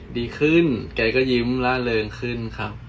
ดีขึ้นแกก็ยิ้มล่าเริงขึ้นครับ